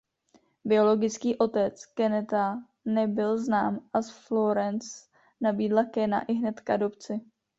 Biologický otec Kennetha nebyl znám a Florence nabídla Kena ihned k adopci.